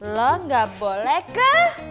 lo gak boleh ke